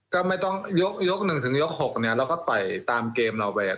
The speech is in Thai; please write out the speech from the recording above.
ก็ไม่ต้องยก๑ถึงยก๖เนี่ยเราก็ต่อยตามเกมเราไป